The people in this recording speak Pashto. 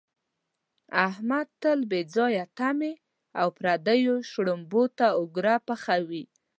احمد تل بې ځایه تمې او پردیو شړومبو ته اوګره پحوي.